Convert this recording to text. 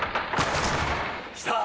きた！